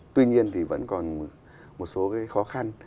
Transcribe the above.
tuy nhiên thì vẫn còn một số khó khăn